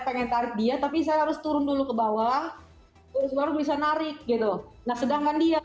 pengen tarik dia tapi saya harus turun dulu ke bawah terus baru bisa narik gitu nah sedangkan dia